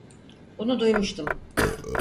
Bunu duymuştum.